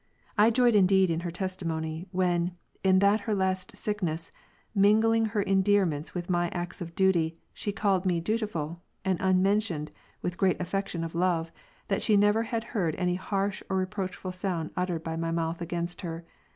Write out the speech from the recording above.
I joyed indeed in her testimony, when, in that her last sickness, mingling her endearments with my acts of duty, she called me " dutiful," and mentioned, with great affection of love, that she never had heard any harsh or reproachful sound uttered by my mouth against her.